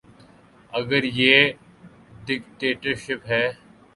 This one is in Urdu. اگر یہ ڈکٹیٹرشپ ہے۔